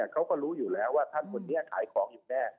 เขาก็รู้อยู่แล้วว่าท่านคนนี้ขายของอยู่แน่